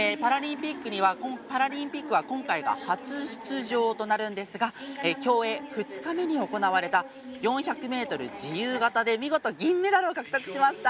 パラリンピックは今回が初出場となるんですが競泳２日目に行われた４００ｍ自由形で見事、銀メダルを獲得しました。